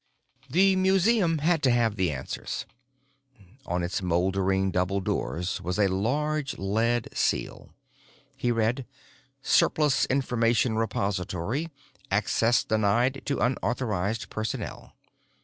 The museum had to have the answers. On its moldering double doors was a large lead seal. He read: "Surplus Information Repository. Access denied to unauthorized personnel."